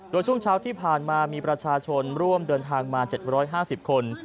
โดยช่วงเช้าที่ผ่านมามีประชาชนร่วมเดินทางมา๗๕๐คน